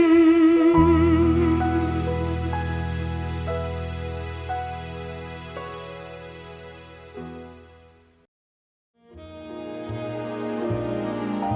รักนี้จะอยู่ในดวงใจนิรันดิ์